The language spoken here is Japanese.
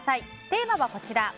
テーマはこちら。